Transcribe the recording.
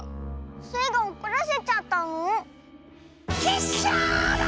スイがおこらせちゃったの？